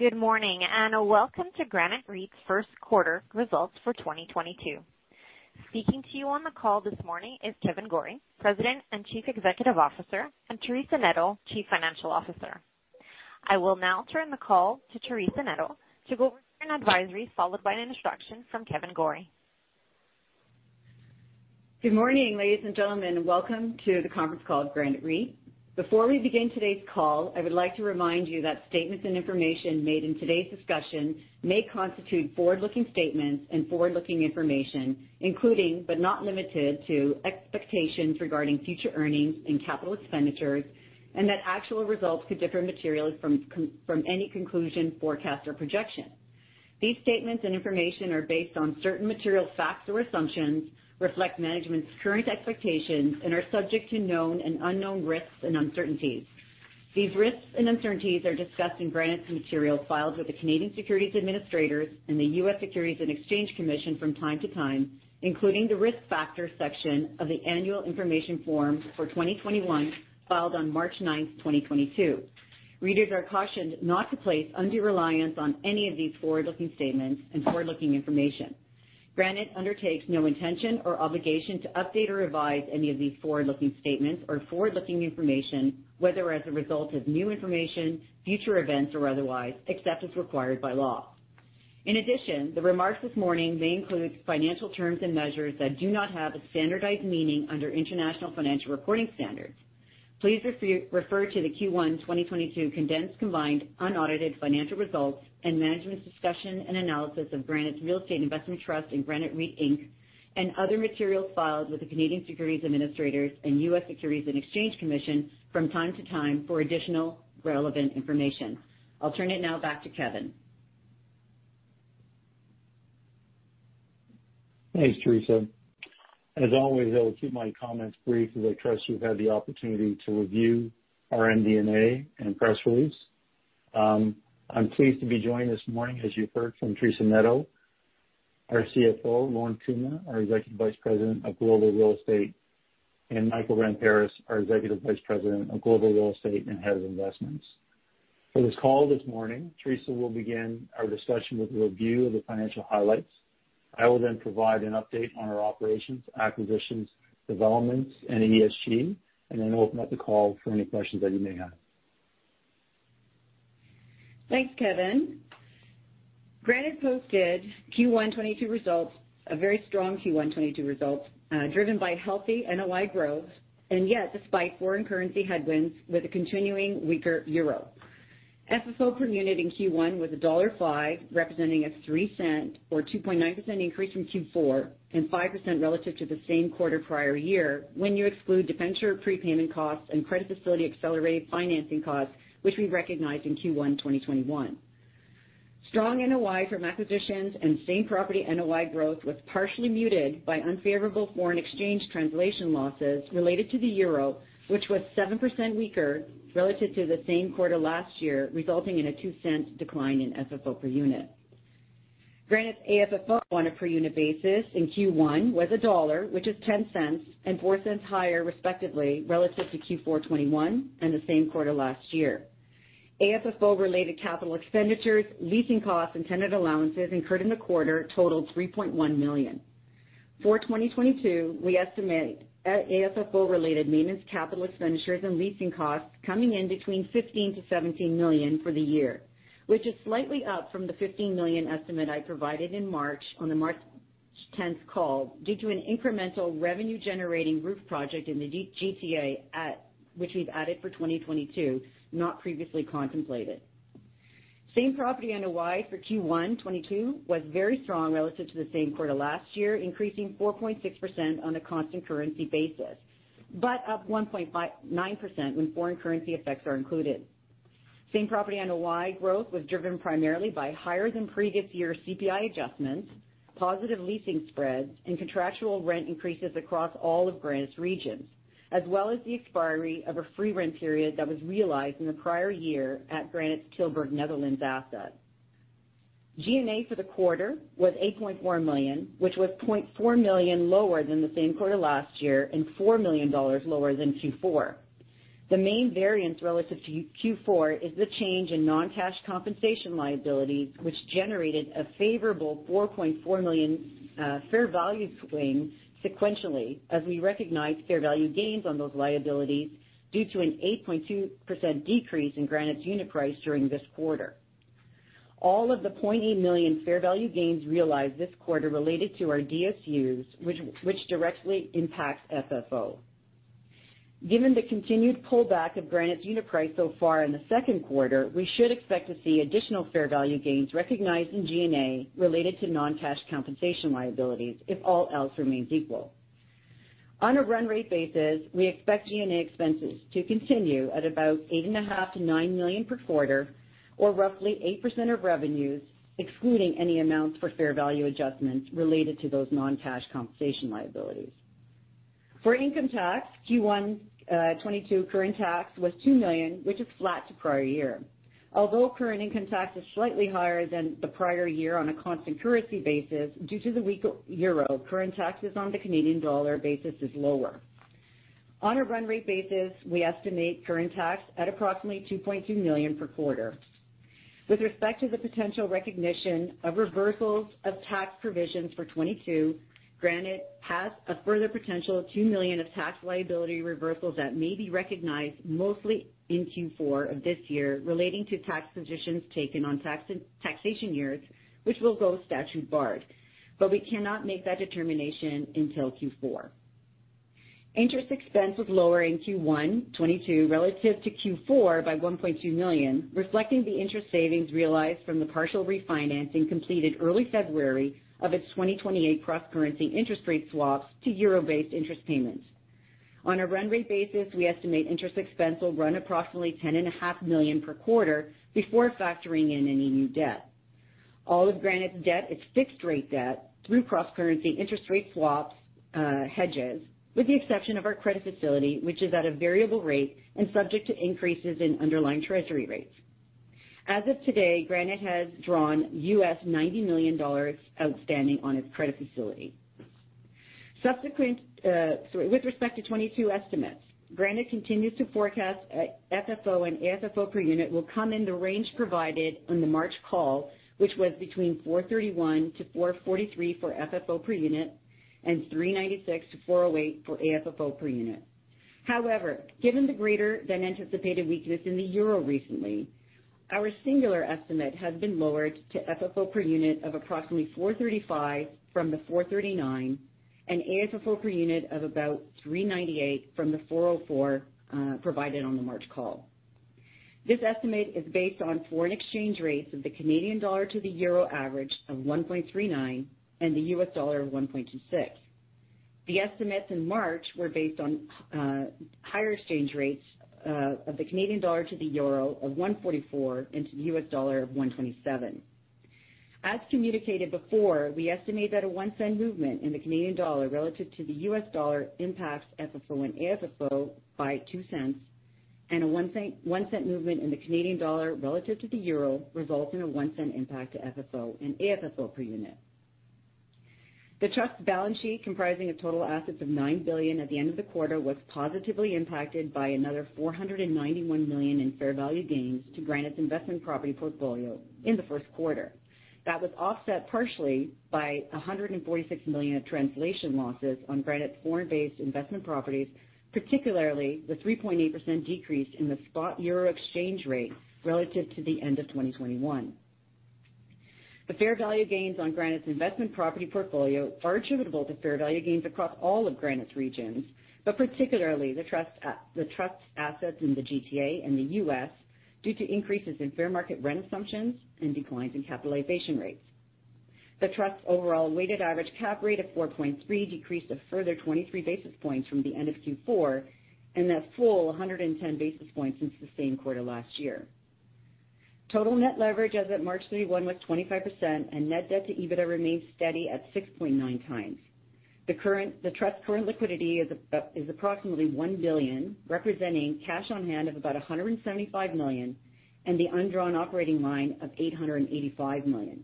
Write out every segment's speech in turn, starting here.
Good morning, and welcome to Granite REIT's first quarter results for 2022. Speaking to you on the call this morning is Kevan Gorrie, President and Chief Executive Officer, and Teresa Neto, Chief Financial Officer. I will now turn the call to Teresa Neto to go over an advisory, followed by an introduction from Kevan Gorrie. Good morning, ladies and gentlemen. Welcome to the conference call of Granite REIT. Before we begin today's call, I would like to remind you that statements and information made in today's discussion may constitute forward-looking statements and forward-looking information, including, but not limited to expectations regarding future earnings and capital expenditures, and that actual results could differ materially from any conclusion, forecast, or projection. These statements and information are based on certain material facts or assumptions, reflect management's current expectations, and are subject to known and unknown risks and uncertainties. These risks and uncertainties are discussed in Granite's material filed with the Canadian Securities Administrators and the U.S. Securities and Exchange Commission from time to time, including the Risk Factors section of the Annual Information Form for 2021, filed on March 9, 2022. Readers are cautioned not to place undue reliance on any of these forward-looking statements and forward-looking information. Granite undertakes no intention or obligation to update or revise any of these forward-looking statements or forward-looking information, whether as a result of new information, future events, or otherwise, except as required by law. In addition, the remarks this morning may include financial terms and measures that do not have a standardized meaning under international financial reporting standards. Please refer to the Q1 2022 condensed combined unaudited financial results and management's discussion and analysis of Granite Real Estate Investment Trust and Granite REIT Inc., and other materials filed with the Canadian Securities Administrators and U.S. Securities and Exchange Commission from time to time for additional relevant information. I'll turn it now back to Kevan. Thanks, Teresa. As always, I will keep my comments brief as I trust you've had the opportunity to review our MD&A and press release. I'm pleased to be joined this morning, as you heard, from Teresa Neto, our CFO, Lorne Kumer, our Executive Vice President of Global Real Estate, and Michael Ramparas, our Executive Vice President of Global Real Estate and Head of Investments. For this call this morning, Teresa will begin our discussion with a review of the financial highlights. I will then provide an update on our operations, acquisitions, developments, and ESG, and then open up the call for any questions that you may have. Thanks, Kevan. Granite posted very strong Q1 2022 results, driven by healthy NOI growth, and yet despite foreign currency headwinds with a continuing weaker euro. FFO per unit in Q1 was dollar 1.5, representing a 0.03 or 2.9% increase from Q4, and 5% relative to the same quarter prior year when you exclude debenture prepayment costs and credit facility accelerated financing costs, which we recognized in Q1 2021. Strong NOI from acquisitions and same property NOI growth was partially muted by unfavorable foreign exchange translation losses related to the euro, which was 7% weaker relative to the same quarter last year, resulting in a 0.02 decline in FFO per unit. Granite's AFFO on a per unit basis in Q1 was $1, which is $0.10 and $0.04 higher respectively, relative to Q4 2021 and the same quarter last year. AFFO-related capital expenditures, leasing costs, and tenant allowances incurred in the quarter totaled $3.1 million. For 2022, we estimate AFFO-related maintenance, capital expenditures, and leasing costs coming in between $15 million-$17 million for the year, which is slightly up from the $15 million estimate I provided in March on the March 10 call due to an incremental revenue-generating roof project in the GTA which we've added for 2022, not previously contemplated. Same-property NOI for Q1 2022 was very strong relative to the same quarter last year, increasing 4.6% on a constant currency basis. Up 1.59% when foreign currency effects are included. Same-property NOI growth was driven primarily by higher than previous year CPI adjustments, positive leasing spreads, and contractual rent increases across all of Granite's regions, as well as the expiry of a free rent period that was realized in the prior year at Granite's Tilburg, Netherlands asset. G&A for the quarter was 8.4 million, which was 0.4 million lower than the same quarter last year and 4 million dollars lower than Q4. The main variance relative to Q4 is the change in non-cash compensation liabilities, which generated a favorable 4.4 million fair value gain sequentially as we recognized fair value gains on those liabilities due to an 8.2% decrease in Granite's unit price during this quarter. All of the 0.8 million fair value gains realized this quarter related to our DSUs, which directly impacts FFO. Given the continued pullback of Granite's unit price so far in the second quarter, we should expect to see additional fair value gains recognized in G&A related to non-cash compensation liabilities if all else remains equal. On a run rate basis, we expect G&A expenses to continue at about 8.5 million-9 million per quarter, or roughly 8% of revenues, excluding any amounts for fair value adjustments related to those non-cash compensation liabilities. For income tax, Q1, 2022 current tax was 2 million, which is flat to prior year. Although current income tax is slightly higher than the prior year on a constant currency basis due to the weak euro, current taxes on the Canadian dollar basis is lower. On a run rate basis, we estimate current tax at approximately 2.2 million per quarter. With respect to the potential recognition of reversals of tax provisions for 2022, Granite has a further potential of 2 million of tax liability reversals that may be recognized mostly in Q4 of this year relating to tax positions taken on tax and taxation years, which will go statute-barred, but we cannot make that determination until Q4. Interest expense was lower in Q1 2022 relative to Q4 by 1.2 million, reflecting the interest savings realized from the partial refinancing completed early February of its 2028 cross-currency interest rate swaps to euro-based interest payments. On a run rate basis, we estimate interest expense will run approximately 10.5 million per quarter before factoring in any new debt. All of Granite's debt is fixed rate debt through cross-currency interest rate swaps, hedges, with the exception of our credit facility, which is at a variable rate and subject to increases in underlying Treasury rates. As of today, Granite has drawn $90 million outstanding on its credit facility. With respect to 2022 estimates, Granite continues to forecast FFO and AFFO per unit will come in the range provided on the March call, which was between 4.31-4.43 for FFO per unit and 3.96-4.08 for AFFO per unit. However, given the greater-than-anticipated weakness in the euro recently, our singular estimate has been lowered to FFO per unit of approximately 4.35 from the 4.39, and AFFO per unit of about 3.98 from the 4.04 provided on the March call. This estimate is based on foreign exchange rates of the Canadian dollar to the euro average of 1.39 and the U.S. dollar of 1.26. The estimates in March were based on higher exchange rates of the Canadian dollar to the euro of 1.44 and to the U.S. dollar of 1.27. As communicated before, we estimate that a 1 cent movement in the Canadian dollar relative to the U.S. dollar impacts FFO and AFFO by 0.02, and a 0.01 movement in the Canadian dollar relative to the euro results in a 0.01 Impact to FFO and AFFO per unit. The Trust's balance sheet, comprising of total assets of 9 billion at the end of the quarter, was positively impacted by another 491 million in fair value gains to Granite's investment property portfolio in the first quarter. That was offset partially by 146 million of translation losses on Granite's foreign-based investment properties, particularly the 3.8% decrease in the spot euro exchange rate relative to the end of 2021. The fair value gains on Granite's investment property portfolio are attributable to fair value gains across all of Granite's regions, but particularly the Trust's assets in the GTA and the U.S. due to increases in fair market rent assumptions and declines in capitalization rates. The Trust's overall weighted average cap rate of 4.3 decreased a further 23 basis points from the end of Q4, and a full 110 basis points since the same quarter last year. Total net leverage as of March 31 was 25%, and net debt to EBITDA remains steady at 6.9x. The Trust's current liquidity is approximately 1 billion, representing cash on hand of about 175 million and the undrawn operating line of 885 million.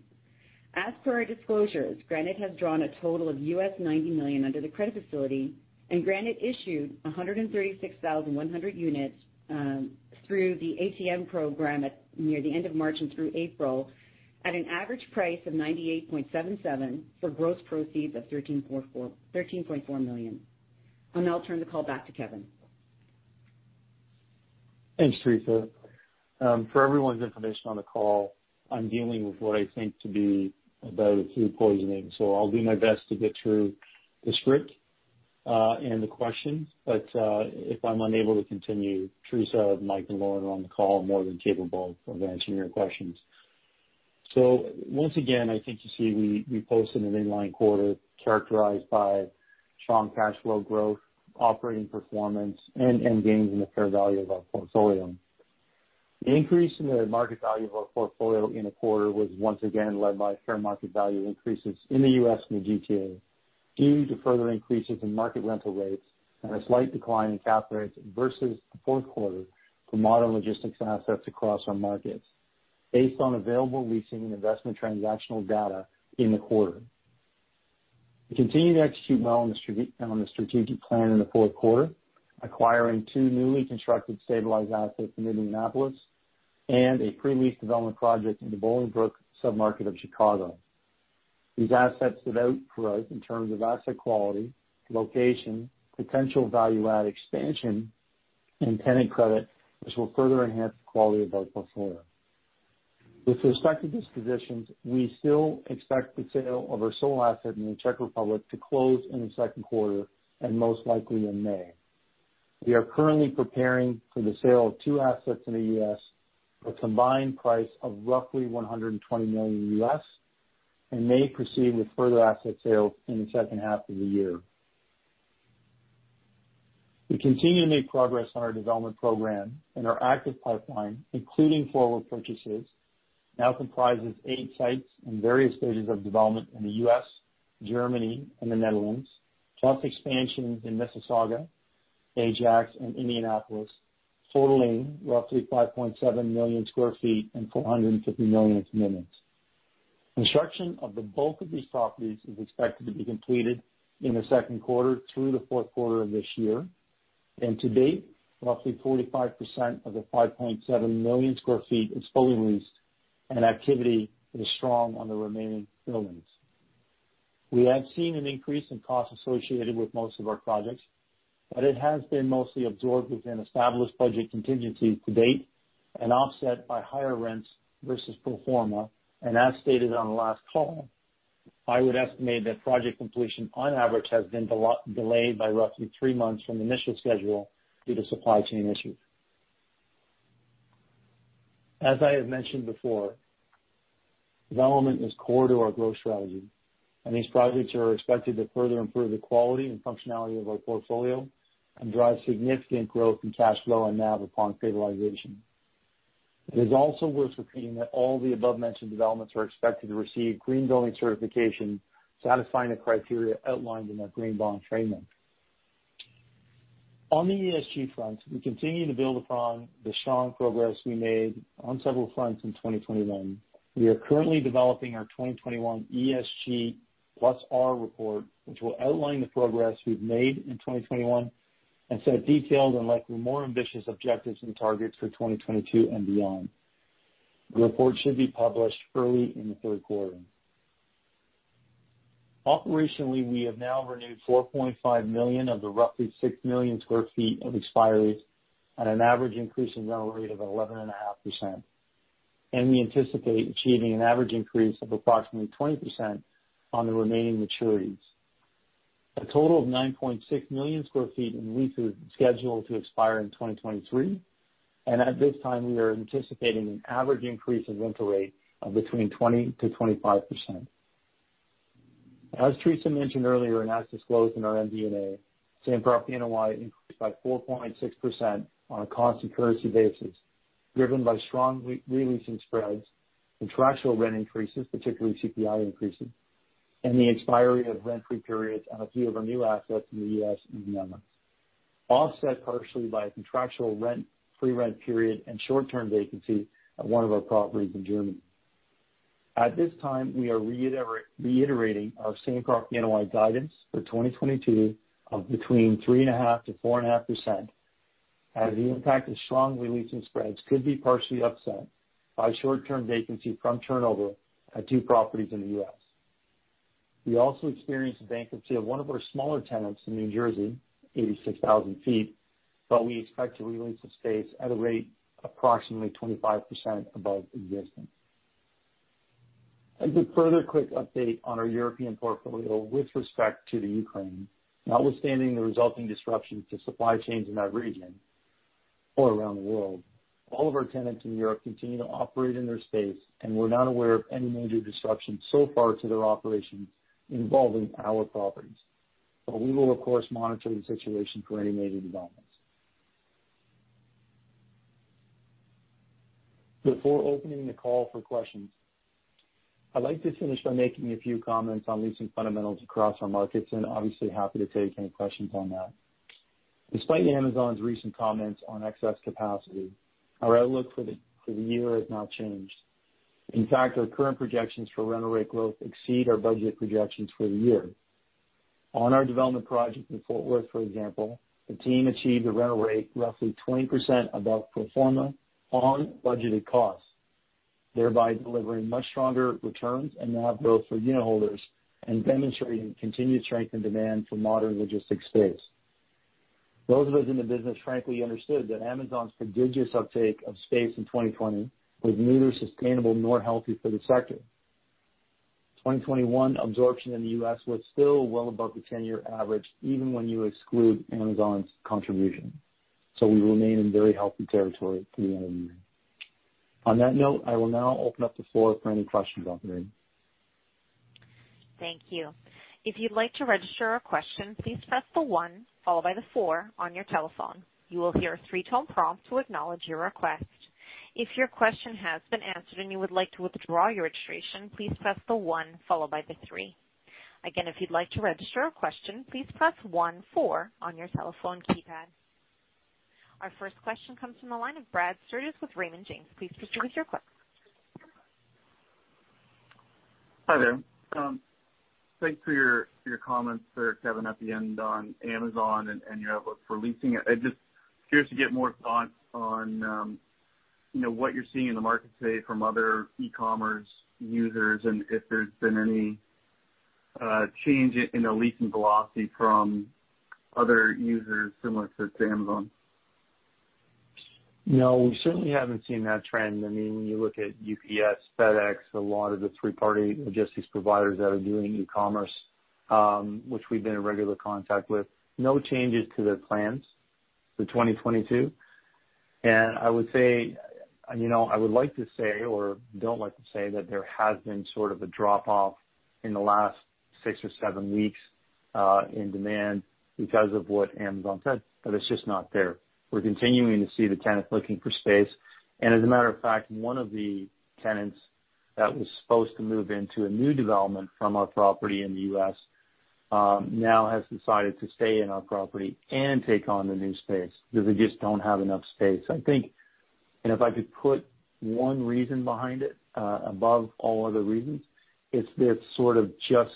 As per our disclosures, Granite has drawn a total of $90 million under the credit facility, and Granite issued 136,100 units through the ATM program at near the end of March and through April at an average price of 98.77 for gross proceeds of 13.4 million. I'll now turn the call back to Kevan. Thanks, Theresa. For everyone's information on the call, I'm dealing with what I think to be a bout of food poisoning, so I'll do my best to get through the script and the questions. If I'm unable to continue, Teresa, Michael, and Lorne are on the call are more than capable of answering your questions. Once again, I think you see we posted an in-line quarter characterized by strong cash flow growth, operating performance, and gains in the fair value of our portfolio. The increase in the market value of our portfolio in the quarter was once again led by fair market value increases in the U.S. and the GTA due to further increases in market rental rates and a slight decline in cap rates versus the fourth quarter for modern logistics assets across our markets based on available leasing and investment transactional data in the quarter. We continue to execute well on the strategic plan in the fourth quarter, acquiring two newly constructed stabilized assets in Indianapolis and a pre-lease development project in the Bolingbrook sub-market of Chicago. These assets stood out for us in terms of asset quality, location, potential value add expansion, and tenant credit, which will further enhance the quality of our portfolio. With respect to dispositions, we still expect the sale of our sole asset in the Czech Republic to close in the second quarter and most likely in May. We are currently preparing for the sale of two assets in the U.S. for a combined price of roughly $120 million, and may proceed with further asset sales in the H2 of the year. We continue to make progress on our development program and our active pipeline, including forward purchases, now comprises eight sites in various stages of development in the U.S., Germany, and the Netherlands, plus expansions in Mississauga, Ajax, and Indianapolis, totaling roughly 5.7 million sq ft and 450 million commitments. Construction of the bulk of these properties is expected to be completed in the second quarter through the fourth quarter of this year. To date, roughly 45% of the 5.7 million sq ft is fully leased, and activity is strong on the remaining buildings. We have seen an increase in costs associated with most of our projects, but it has been mostly absorbed within established budget contingencies to date and offset by higher rents versus pro forma. As stated on the last call, I would estimate that project completion on average has been delayed by roughly three months from initial schedule due to supply chain issues. As I have mentioned before, development is core to our growth strategy, and these projects are expected to further improve the quality and functionality of our portfolio and drive significant growth in cash flow and NAV upon stabilization. It is also worth repeating that all the above mentioned developments are expected to receive green building certification, satisfying the criteria outlined in our Green Bond Framework. On the ESG front, we continue to build upon the strong progress we made on several fronts in 2021. We are currently developing our 2021 ESG+R Report, which will outline the progress we've made in 2021 and set detailed and likely more ambitious objectives and targets for 2022 and beyond. The report should be published early in the third quarter. Operationally, we have now renewed 4.5 million of the roughly 6 million sq ft of expiries at an average increase in rental rate of 11.5%, and we anticipate achieving an average increase of approximately 20% on the remaining maturities. A total of 9.6 million sq ft in leases scheduled to expire in 2023, and at this time, we are anticipating an average increase of rental rate of between 20%-25%. As Theresa mentioned earlier, and as disclosed in our MD&A, same property NOI increased by 4.6% on a constant currency basis, driven by strong re-leasing spreads, contractual rent increases, particularly CPI increases, and the expiry of rent-free periods on a few of our new assets in the U.S. and the Netherlands, offset partially by a contractual rent-free rent period and short-term vacancy at one of our properties in Germany. At this time, we are reiterating our same-property NOI guidance for 2022 of between 3.5% and 4.5%, as the impact of strong re-leasing spreads could be partially offset by short term vacancy from turnover at two properties in the U.S. We also experienced the bankruptcy of one of our smaller tenants in New Jersey, 86,000 ft, but we expect to re-lease the space at a rate approximately 25% above existing. As a further quick update on our European portfolio with respect to the Ukraine, notwithstanding the resulting disruptions to supply chains in that region or around the world, all of our tenants in Europe continue to operate in their space, and we're not aware of any major disruptions so far to their operations involving our properties. We will of course monitor the situation for any major developments. Before opening the call for questions, I'd like to finish by making a few comments on leasing fundamentals across our markets and obviously happy to take any questions on that. Despite Amazon's recent comments on excess capacity, our outlook for the year has not changed. In fact, our current projections for rental rate growth exceed our budget projections for the year. On our development project in Fort Worth, for example, the team achieved a rental rate roughly 20% above pro forma on budgeted costs, thereby delivering much stronger returns and NAV growth for unitholders and demonstrating continued strength and demand for modern logistics space. Those of us in the business frankly understood that Amazon's prodigious uptake of space in 2020 was neither sustainable nor healthy for the sector. 2021 absorption in the U.S. was still well above the 10-year average, even when you exclude Amazon's contribution, so we remain in very healthy territory through the end of the year. On that note, I will now open up the floor for any questions in the room. Thank you. If you'd like to register a question, please press the one followed by the four on your telephone. You will hear a three-tone prompt to acknowledge your request. If your question has been answered and you would like to withdraw your registration, please press the one followed by the three. Again, if you'd like to register a question, please press one four on your telephone keypad. Our first question comes from the line of Brad Sturges with Raymond James. Please proceed with your question. Hi there. Thanks for your comments there, Kevin, at the end on Amazon and your outlook for leasing. I'm just curious to get more thoughts on, you know, what you're seeing in the market today from other e-commerce users and if there's been any change in the leasing velocity from other users similar to Amazon. No, we certainly haven't seen that trend. I mean, when you look at UPS, FedEx, a lot of the third-party logistics providers that are doing e-commerce, which we've been in regular contact with, no changes to their plans for 2022. I would say, you know, I would like to say or don't like to say that there has been sort of a drop-off in the last six or seven weeks in demand because of what Amazon said, but it's just not there. We're continuing to see the tenant looking for space. As a matter of fact, one of the tenants that was supposed to move into a new development from our property in the U.S., now has decided to stay in our property and take on the new space because they just don't have enough space. I think, if I could put one reason behind it, above all other reasons, it's this sort of just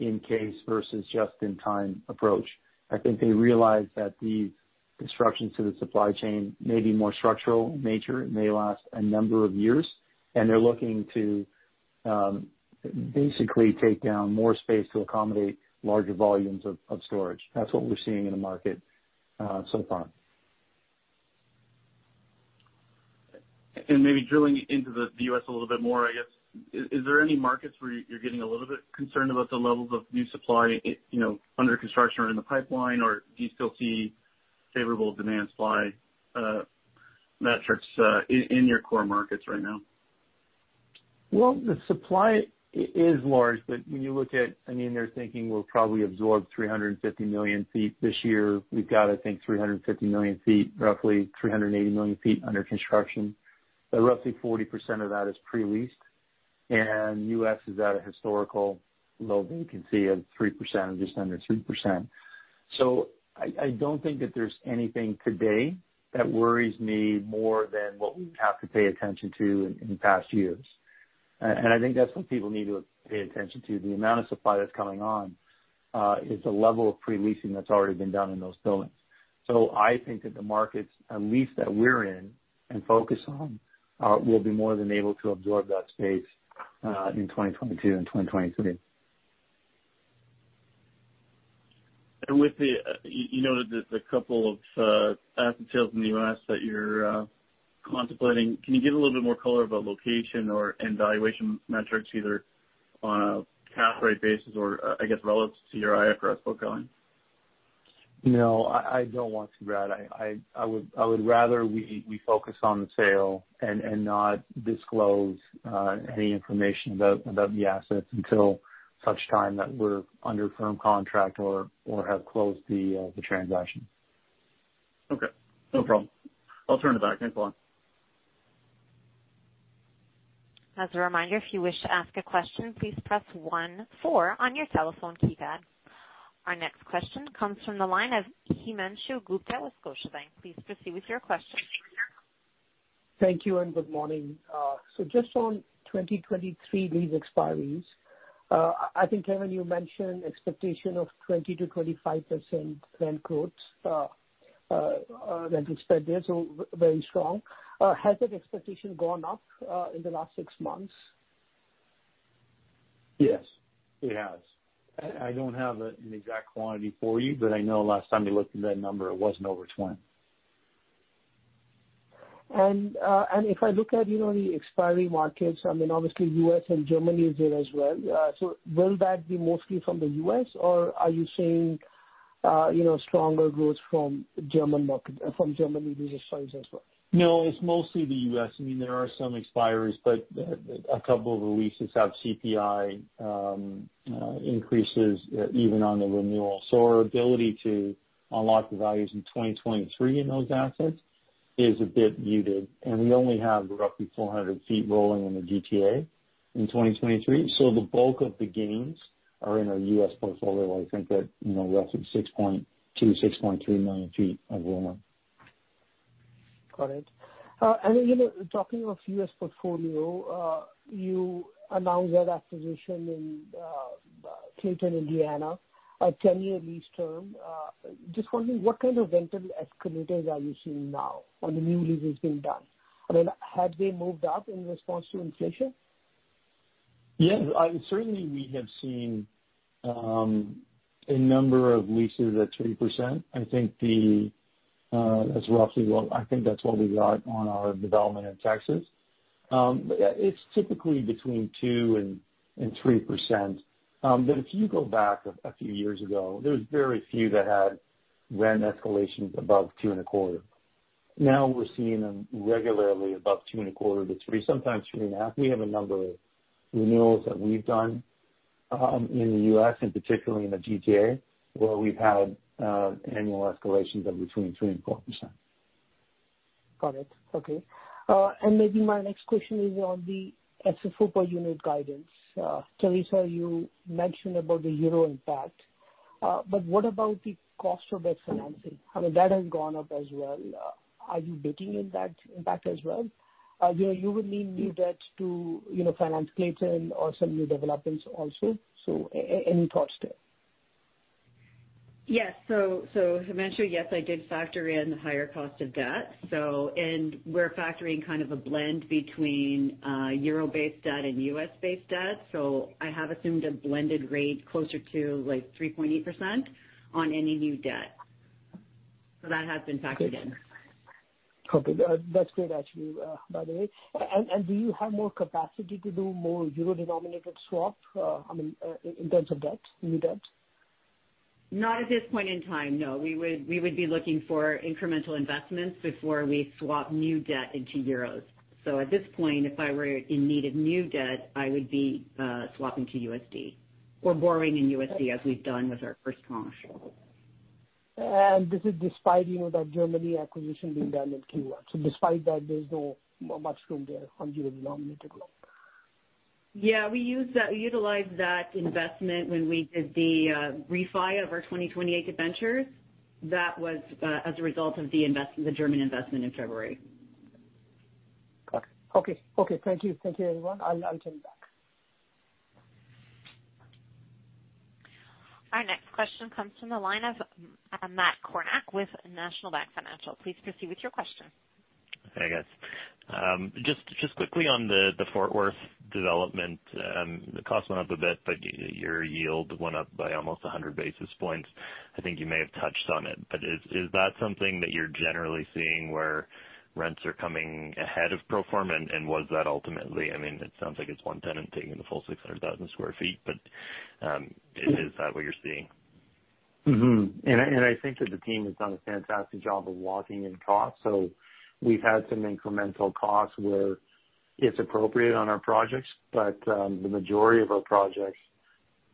in case versus just in time approach. I think they realize that the disruptions to the supply chain may be more structural in nature. It may last a number of years, and they're looking to basically take down more space to accommodate larger volumes of storage. That's what we're seeing in the market, so far. Maybe drilling into the U.S. a little bit more, I guess, is there any markets where you're getting a little bit concerned about the levels of new supply, you know, under construction or in the pipeline? Or do you still see favorable demand supply metrics in your core markets right now? Well, the supply is large, but when you look at I mean, they're thinking we'll probably absorb 350 million ft this year. We've got, I think, 350 million ft, roughly 380 million ft under construction, but roughly 40% of that is pre-leased. U.S. is at a historical low vacancy of 3% or just under 3%. I don't think that there's anything today that worries me more than what we have to pay attention to in the past years. I think that's what people need to pay attention to. The amount of supply that's coming on is the level of pre-leasing that's already been done in those buildings. I think that the markets, at least that we're in and focused on, will be more than able to absorb that space in 2022 and 2023. With the, you noted that a couple of asset sales in the U.S. that you're contemplating. Can you give a little bit more color about location or, and valuation metrics, either on a cap rate basis or, I guess, relative to your IFRS book value? No, I don't want to, Brad. I would rather we focus on the sale and not disclose any information about the assets until such time that we're under firm contract or have closed the transaction. Okay, no problem. I'll turn it back. Thanks a lot. As a reminder, if you wish to ask a question, please press one-four on your telephone keypad. Our next question comes from the line of Himanshu Gupta with Scotiabank. Please proceed with your question. Thank you, and good morning. Just on 2023 lease expiries, I think, Kevan, you mentioned expectation of 20%-25% rent growth, rent expenditures, so very strong. Has that expectation gone up in the last six months? Yes, it has. I don't have an exact quantity for you, but I know last time you looked at that number, it wasn't over 20. If I look at, you know, the expiring markets, I mean, obviously U.S. and Germany is there as well. Will that be mostly from the U.S. or are you seeing, you know, stronger growth from Germany lease expiries as well? No, it's mostly the U.S. I mean, there are some expiries, but a couple of the leases have CPI increases, even on the renewal. Our ability to unlock the values in 2023 in those assets is a bit muted. We only have roughly 400 ft rolling in the GTA in 2023. The bulk of the gains are in our U.S. portfolio. I think that, you know, roughly 6.2-6.3 million ft of rolling. Got it. You know, talking of U.S. portfolio, you announced that acquisition in Clayton, Indiana, a 10-year lease term. Just wondering what kind of rental escalators are you seeing now on the new leases being done? I mean, have they moved up in response to inflation? Yes. Certainly we have seen a number of leases at 3%. I think that's what we got on our development in Texas. Yeah, it's typically between 2%-3%. If you go back a few years ago, there's very few that had rent escalations above 2.25%. Now we're seeing them regularly above 2.25%-3%, sometimes 3.5%. We have a number of renewals that we've done in the U.S., and particularly in the GTA, where we've had annual escalations of between 3%-4%. Got it. Okay. Maybe my next question is on the FFO per unit guidance. Theresa, you mentioned about the euro impact, but what about the cost of that financing? I mean, that has gone up as well. Are you baking in that impact as well? You know, you would need new debt to, you know, finance Clayton or some new developments also. Any thoughts there? Yes. Himanshu, yes, I did factor in the higher cost of debt. We're factoring kind of a blend between euro-based debt and U.S.-based debt. I have assumed a blended rate closer to like 3.8% on any new debt. That has been factored in. Okay. That's great actually, by the way. Do you have more capacity to do more euro denominated swap, I mean, in terms of debt, new debt? Not at this point in time, no. We would be looking for incremental investments before we swap new debt into euros. At this point, if I were in need of new debt, I would be swapping to USD or borrowing in USD as we've done with our first tranche. This is despite, you know, that Germany acquisition being done in Q1. Despite that, there's not much room there from a nominal growth. Yeah, we utilized that investment when we did the refi of our 2028 debentures. That was as a result of the German investment in February. Got it. Okay. Thank you. Thank you, everyone. I'll turn back. Our next question comes from the line of Matt Kornack with National Bank Financial. Please proceed with your question. Hey, guys. Just quickly on the Fort Worth development, the cost went up a bit, but your yield went up by almost 100 basis points. I think you may have touched on it, but is that something that you're generally seeing where rents are coming ahead of pro forma? Was that ultimately? I mean, it sounds like it's one tenant taking the full 600,000 sq ft, but is that what you're seeing? I think that the team has done a fantastic job of locking in costs. We've had some incremental costs where it's appropriate on our projects. The majority of our projects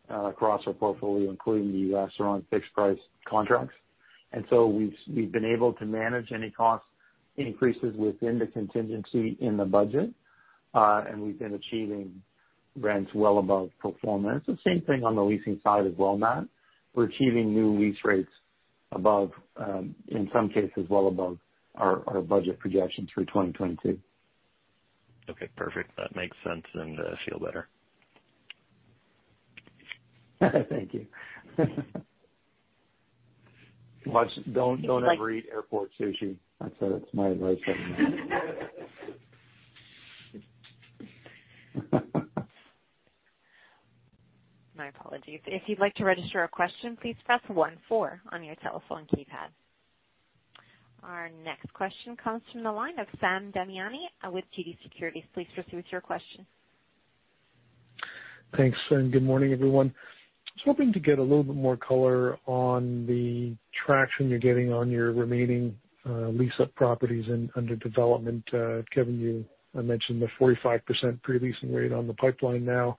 across our portfolio, including our own fixed price contracts, we've been able to manage any cost increases within the contingency in the budget, and we've been achieving rents well above pro forma. It's the same thing on the leasing side as well, Matt. We're achieving new lease rates above, in some cases, well above our budget projections through 2022. Okay. Perfect. That makes sense and feel better. Thank you. Watch. Don't ever eat airport sushi. That's it. It's my advice right now. My apologies. If you'd like to register a question, please press one-four on your telephone keypad. Our next question comes from the line of Sam Damiani with TD Securities. Please proceed with your question. Thanks, and good morning, everyone. I was hoping to get a little bit more color on the traction you're getting on your remaining lease up properties under development. Kevan, you mentioned the 45% pre-leasing rate on the pipeline now,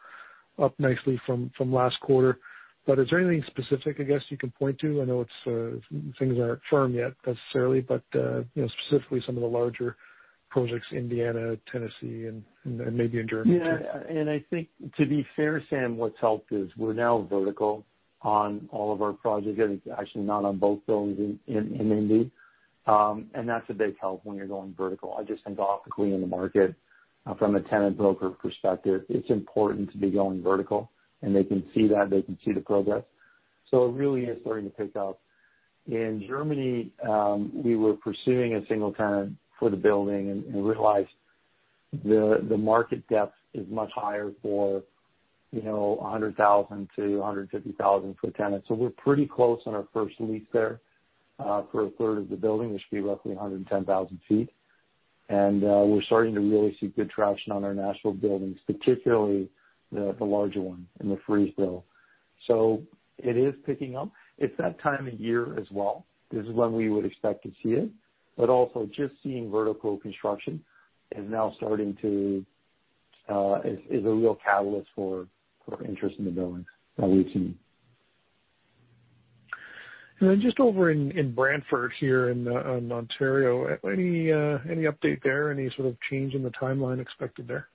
up nicely from last quarter. Is there anything specific, I guess you can point to? I know it's things aren't firm yet necessarily, but you know, specifically some of the larger projects, Indiana, Tennessee, and maybe in Germany. Yeah. I think to be fair, Sam, what's helped is we're now vertical on all of our projects. Actually not on both buildings in Indy. That's a big help when you're going vertical. I just think optically in the market, from a tenant broker perspective, it's important to be going vertical, and they can see that, they can see the progress. It really is starting to pick up. In Germany, we were pursuing a single tenant for the building and realized the market depth is much higher for, you know, 100,000-150,000 tenants. We're pretty close on our first lease there, for a third of the building, which should be roughly 110,000 ft. We're starting to really see good traction on our national buildings, particularly the larger one in Murfreesboro. It is picking up. It's that time of year as well. This is when we would expect to see it. Also just seeing vertical construction is now a real catalyst for interest in the buildings that we've seen. Just over in Brantford here in Ontario. Any update there? Any sort of change in the timeline expected there?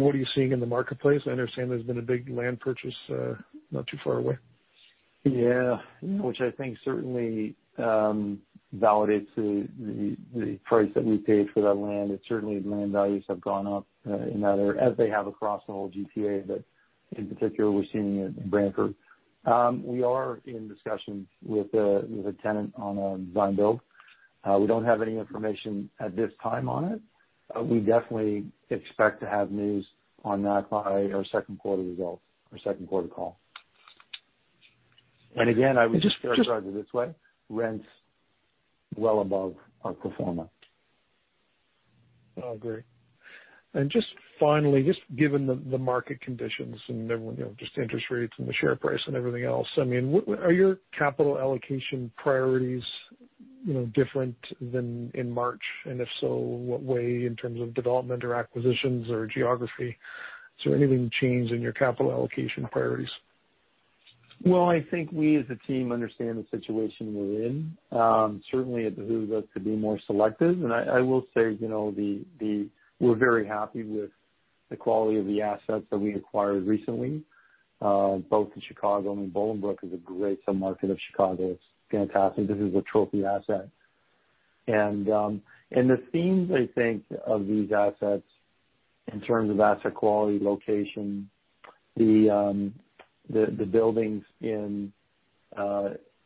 What are you seeing in the marketplace? I understand there's been a big land purchase not too far away. Yeah. Which I think certainly validates the price that we paid for that land. It certainly land values have gone up as they have across the whole GTA, but in particular, we're seeing it in Brantford. We are in discussions with a tenant on a design build. We don't have any information at this time on it. We definitely expect to have news on that by our second quarter results or second quarter call. I would characterize it this way. Rents well above our pro forma. I agree. Just finally, just given the market conditions and everything, you know, just interest rates and the share price and everything else, I mean, are your capital allocation priorities, you know, different than in March? If so, what way in terms of development or acquisitions or geography? Is there anything change in your capital allocation priorities? Well, I think we as a team understand the situation we're in. Certainly it behooves us to be more selective. I will say, you know, we're very happy with the quality of the assets that we acquired recently, both in Chicago, and Bolingbrook is a great sub-market of Chicago. It's fantastic. This is a trophy asset. The themes I think of these assets in terms of asset quality, location, the buildings in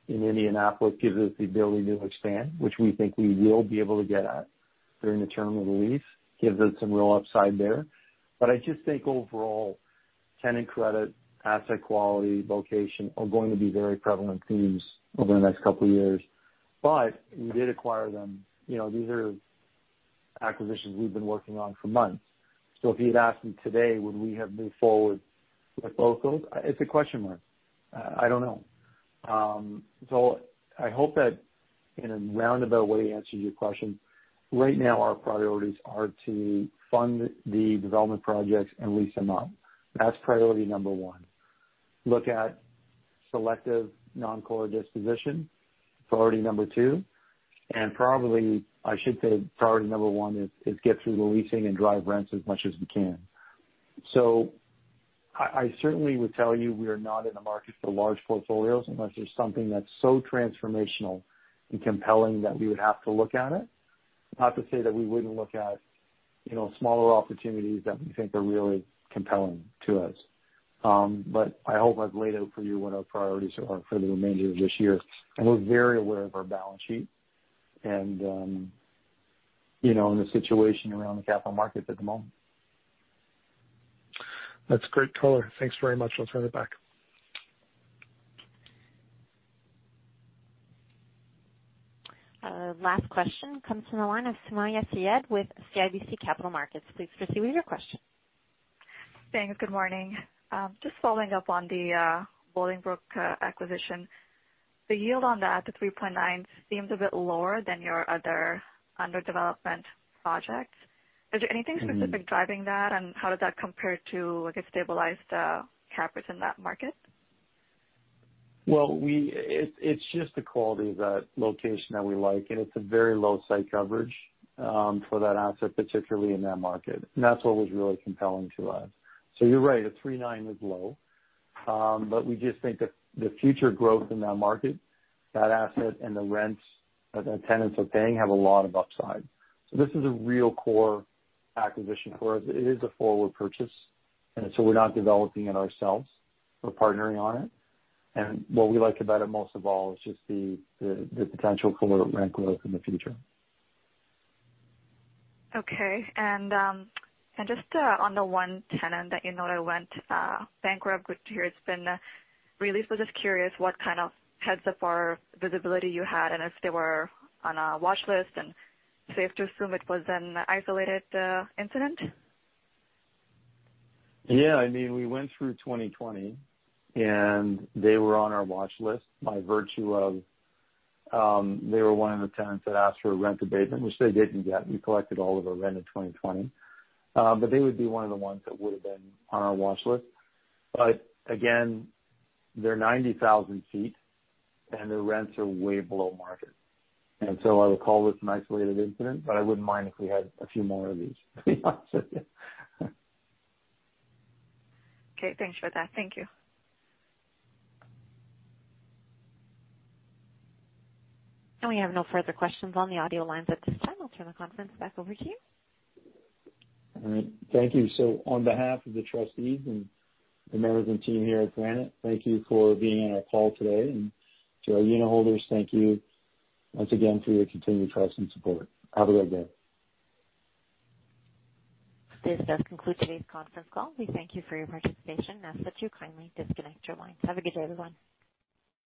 Indianapolis give us the ability to expand, which we think we will be able to get to during the term of the lease, gives us some real upside there. I just think overall, tenant credit, asset quality, location are going to be very prevalent themes over the next couple of years. We did acquire them. You know, these are acquisitions we've been working on for months. If you'd asked me today, would we have moved forward with both those? It's a question mark. I don't know. I hope in a roundabout way answer your question, right now our priorities are to fund the development projects and lease them out. That's priority number one. Look at selective non-core disposition, priority number two. Probably I should say priority number one is get through the leasing and drive rents as much as we can. I certainly would tell you we are not in the market for large portfolios unless there's something that's so transformational and compelling that we would have to look at it. Not to say that we wouldn't look at, you know, smaller opportunities that we think are really compelling to us. I hope I've laid out for you what our priorities are for the remainder of this year. We're very aware of our balance sheet and the situation around the capital markets at the moment. That's great color. Thanks very much. I'll turn it back. Last question comes from the line of Sumayya Syed with CIBC Capital Markets. Please proceed with your question. Thanks. Good morning. Just following up on the Bolingbrook acquisition. The yield on that, the 3.9%, seems a bit lower than your other under development projects. Is there anything specific driving that, and how does that compare to like a stabilized cap rate in that market? Well, it's just the quality of that location that we like, and it's a very low site coverage for that asset, particularly in that market. That's what was really compelling to us. You're right, 3.9 is low. But we just think that the future growth in that market, that asset and the rents the tenants are paying have a lot of upside. This is a real core acquisition for us. It is a forward purchase, and so we're not developing it ourselves. We're partnering on it. What we like about it most of all is just the potential for rent growth in the future. Okay. Just on the one tenant that you know that went bankrupt here, it's been really we're just curious what kind of heads up or visibility you had and if they were on a watchlist and safe to assume it was an isolated incident. Yeah. I mean, we went through 2020, and they were on our watchlist by virtue of they were one of the tenants that asked for a rent abatement, which they didn't get. We collected all of our rent in 2020. They would be one of the ones that would've been on our watchlist. Again, they're 90,000 ft, and their rents are way below market. I would call this an isolated incident, but I wouldn't mind if we had a few more of these. Okay, thanks for that. Thank you. We have no further questions on the audio lines at this time. I'll turn the conference back over to you. All right. Thank you. On behalf of the trustees and the members and team here at Granite, thank you for being on our call today. To our unitholders, thank you once again for your continued trust and support. Have a great day. This does conclude today's conference call. We thank you for your participation and ask that you kindly disconnect your lines. Have a good day, everyone.